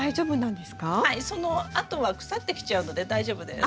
はいそのあとは腐ってきちゃうので大丈夫です。